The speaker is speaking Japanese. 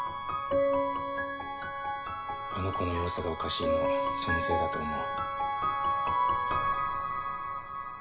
あの子の様子がおかしいのそのせいだと思う。